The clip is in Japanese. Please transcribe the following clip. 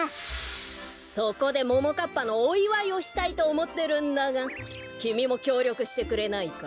そこでももかっぱのおいわいをしたいとおもってるんだがきみもきょうりょくしてくれないか？